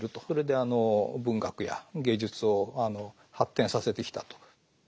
それであの文学や芸術を発展させてきたと。